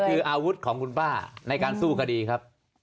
คืออาวุธของคุณป้าในการสู้คดีครับ